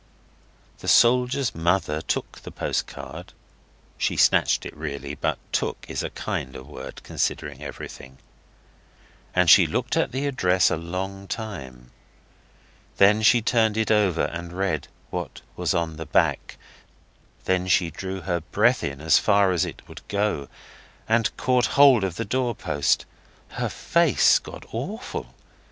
The soldier's mother took the postcard (she snatched it really, but 'took' is a kinder word, considering everything) and she looked at the address a long time. Then she turned it over and read what was on the back. Then she drew her breath in as far as it would go, and caught hold of the door post. Her face got awful.